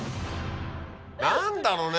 何だろうね。